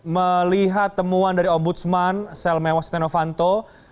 melihat temuan dari om budsman selme wasitenovanto